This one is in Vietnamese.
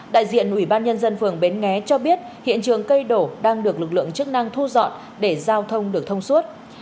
đại diện ubnd phường bến nghé cho biết hiện trường cây đổ đang được lực lượng chức năng thu dọn để giao thông được thông suốt